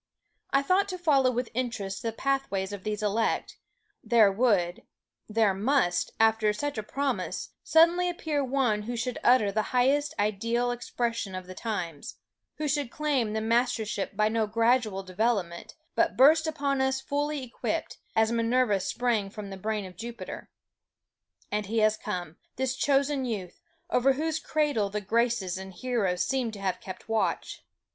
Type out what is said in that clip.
I thought to follow with interest the pathways of these elect; there would there must after such a promise, suddenly appear one who should utter the highest ideal expression of the times, who should claim the mastership by no gradual development, but burst upon us fully equipped, as Minerva sprang from the brain of Jupiter. And he has come, this chosen youth, over whose cradle the Graces and Heroes seem to have kept watch.